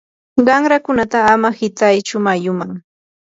qanrakunata ama qitaychu mayuman.